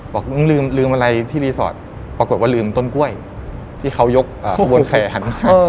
บอกมึงลืมอะไรที่รีสอร์ทปรากฏว่าลืมต้นกล้วยที่เขายกขบวนแขน